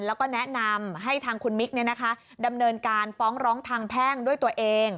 แล้วก็แนะนำให้ทางคุณมิกดำเนินการฟ้องร้องทางแพ่งด้วยตัวเอง